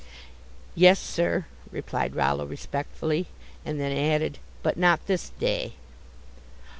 "Yes, sir," replied Rollo, respectfully, and then added, "but not this day."